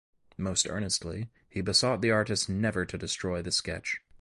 Most earnestly he besought the artist never to destroy the sketch.